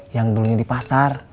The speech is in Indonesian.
yang dulunya di pasar